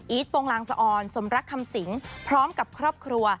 โปรงลางสะออนสมรักคำสิงพร้อมกับครอบครัว